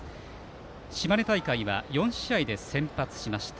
島根大会は４試合で先発しました。